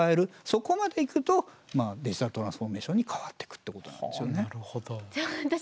そこまでいくとデジタルトランスフォーメーションに変わっていくってことなんですよね。